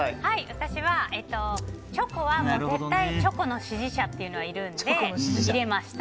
私はチョコは絶対チョコの支持者がいるので入れました。